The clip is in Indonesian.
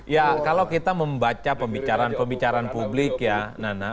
ya kalau kita membaca pembicaraan pembicaraan publik ya nana